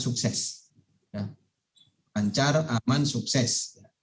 sukses ancar aman sukses